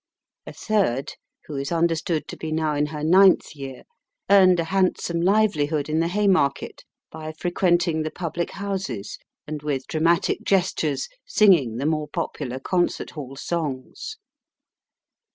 A third, who is understood to be now in her ninth year, earned a handsome livelihood in the Haymarket by frequenting the public houses, and with dramatic gestures singing the more popular concert hall songs.